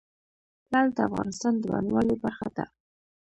لعل د افغانستان د بڼوالۍ برخه ده.